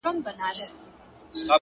هره ورځ د نوې بدلون امکان لري!